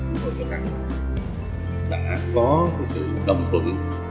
một bài học đã có sự đồng phận